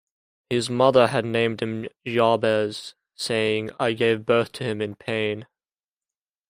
His mother had named him Jabez, saying, I gave birth to him in pain.